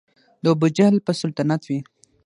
د ابوجهل به سلطنت وي